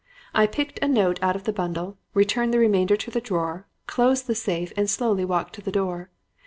I picked a note out of the bundle, returned the remainder to the drawer, closed the safe and slowly walked to the door.